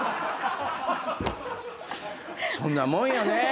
そんなもんよね。